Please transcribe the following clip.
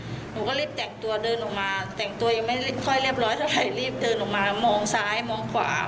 หนูก็รีบแต่งตัวเดินออกมาแต่งตัวยังไม่ค่อยเรียบร้อยเท่าไหร่รีบเดินออกมามองซ้ายมองขวา